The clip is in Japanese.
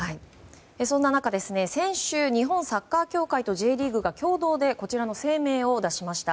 そんな中、先週日本サッカー協会とＪリーグが共同でこちらの声明を出しました。